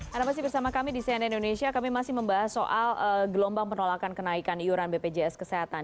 karena masih bersama kami di cnn indonesia kami masih membahas soal gelombang penolakan kenaikan iuran bpjs kesehatan